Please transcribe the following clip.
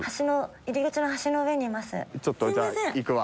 ちょっとじゃあ行くわ。